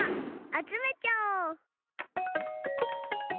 あつめちゃおう！